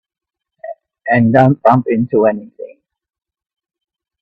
And don't bump into anything.